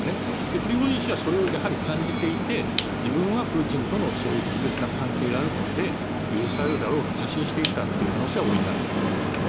プリゴジン氏はそれを感じていて自分はプーチンとのそういう特別な関係があるので許されるだろうと過信していたというのは大いにあると思います。